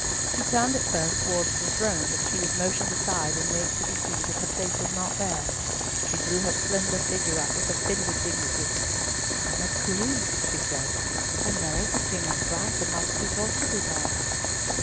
She turned at first towards the throne, but she was motioned aside, and made to perceive that her place was not there. She drew her slender figure up with offended dignity. "I am a queen," she said; "I married a king of France, and my seat ought to be there."